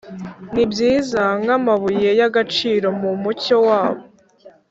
nibyiza nkamabuye y'agaciro mu mucyo wabo,